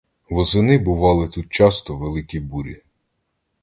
Восени бували тут часто великі бурі.